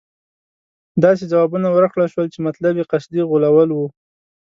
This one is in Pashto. داسې ځوابونه ورکړل شول چې مطلب یې قصدي غولول وو.